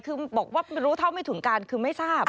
คือบอกว่ารู้เท่าไม่ถึงการคือไม่ทราบ